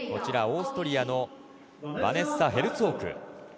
オーストリアのバネッサ・ヘルツォーク。